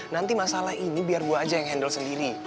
nanti masalah ini biar gue aja yang handle sendiri